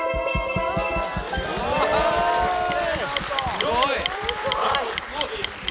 すごい。